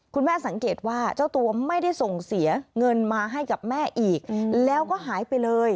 คุณแม่สังเกตว่าเจ้าตัวไม่ได้ส่งเสียเงินมาให้กับแม่อีกแล้วก็หายไปเลย